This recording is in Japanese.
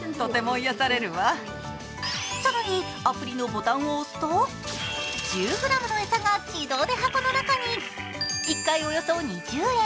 更に、アプリのボタンを押すと１０ｇの餌が自動で箱の中に１回およそ２０円。